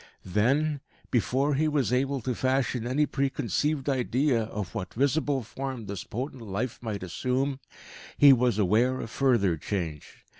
Then, before he was able to fashion any preconceived idea of what visible form this potent life might assume, he was aware of further change.